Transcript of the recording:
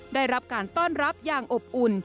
ได้รับการต้อนรับอย่างอบอุ่น